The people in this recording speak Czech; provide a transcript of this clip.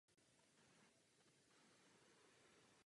Proto jsem nemohl hlasovat pro přijetí zprávy pana Desse.